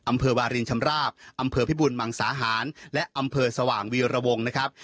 อำเภอวารินชำราบอำเภอพิบูลมังสาหารและอำเภอสว่างวีรวงนะครับ